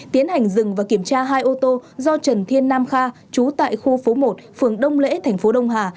tiến hành dừng và kiểm tra hai ô tô do trần thiên nam kha chú tại khu phố một phường đông lễ tp đông hà